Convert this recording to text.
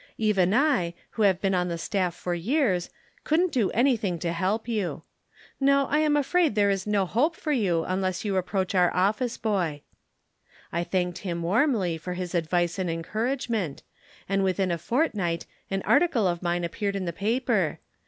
Even I, who have been on the staff for years, couldn't do anything to help you. No, I am afraid there is no hope for you unless you approach our office boy.' I thanked him warmly for his advice and encouragement, and within a fortnight an article of mine appeared in the paper.